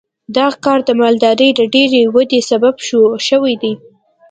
دغه کار د مالدارۍ د ډېرې ودې سبب شوی دی.